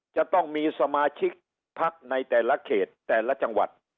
จะต้องมีสมาชิกพักในแต่ละเขตแต่ละจังหวัด